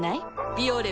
「ビオレ」